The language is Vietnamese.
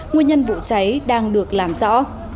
nguyên nhân vụ cháy đang được làm rõ